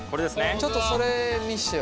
ちょっとそれ見してよ。